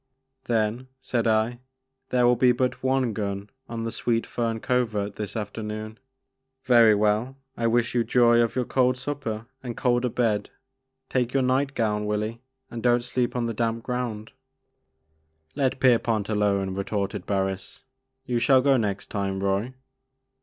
"Then," said I, "there will be but one gun on the Sweet Fern Covert this afternoon. Very well, I wish you joy of your cold supper and colder bed. Take your night gown, Willy, and don't sleep on the damp ground." (( The Maker of Moons. 1 5 "I>t Kerpont alone," retorted Barris, "you shall go next time, Roy."